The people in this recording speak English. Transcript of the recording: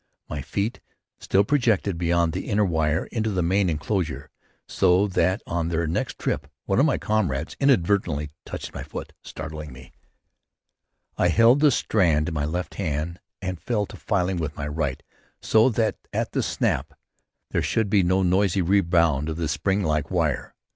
My feet still projected beyond the inner wire into the main enclosure so that on their next trip one of my comrades inadvertently touched my foot, startling me. [Illustration: RECORD OF SECOND ESCAPE AND RECAPTURE.] I held the strand in my left hand and fell to filing with my right so that at the snap there should be no noisy rebound of the spring like wire.